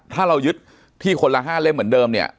ถ้าเรายึดที่คนละ๕เล่มเหมือนเดิมเนี่ย